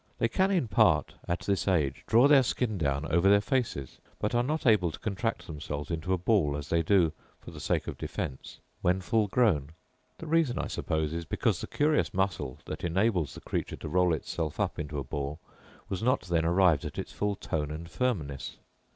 They can, in part, at this age draw their skin down over their faces; but are not able to contract themselves into a ball as they do, for the sake of defence, when full grown. The reason, I suppose, is, because the curious muscle that enables the creature to roll itself up into a ball was not then arrived at its full tone and firmness.